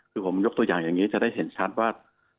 คือผมยกตัวอย่างอย่างนี้จะได้เห็นชัดว่า